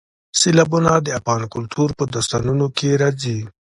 سیلابونه د افغان کلتور په داستانونو کې راځي.